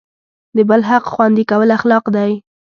د بل حق خوندي کول اخلاق دی.